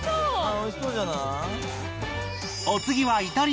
美味しそうじゃない。